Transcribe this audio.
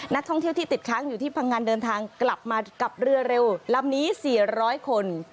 นักท่องเที่ยวที่ติดค้างอยู่ที่พังงันเดินทางกลับมากับเรือเร็วลำนี้๔๐๐คน